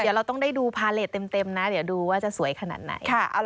เดี๋ยวเราต้องได้ดูพาเลสเต็มนะเดี๋ยวดูว่าจะสวยขนาดไหน